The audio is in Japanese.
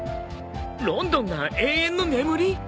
ロンドンが永遠の眠り！？